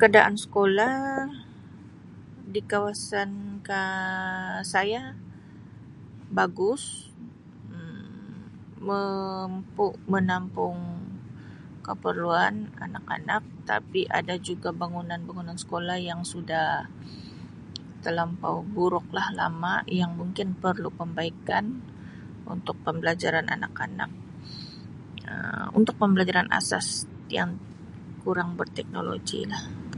Keadaan sekolah di kawasan ka-saya bagus Um mempu menampung keperluan anak-anak tapi ada juga bangunan-bangunan sekolah yang sudah telampau buruk lah, lama yang mungkin perlu pembaikan untuk pembelajaran anak-anak Um untuk pembelajaran asas yang kurang berteknologilah.